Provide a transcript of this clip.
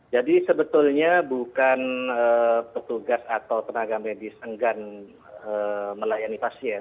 jadi sebetulnya bukan petugas atau tenaga medis enggan melayani pasien